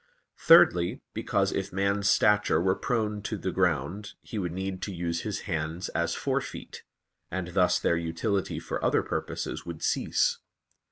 Thirdly, because if man's stature were prone to the ground he would need to use his hands as fore feet; and thus their utility for other purposes would cease.